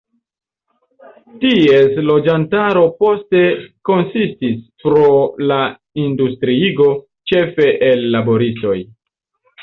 Ties loĝantaro poste konsistis, pro la industriigo, ĉefe el laboristoj.